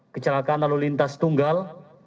kecelakaan lalu lintas tunggal